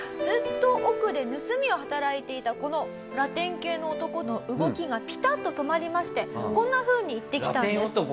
ずっと奥で盗みを働いていたこのラテン系の男の動きがピタッと止まりましてこんなふうに言ってきたんです。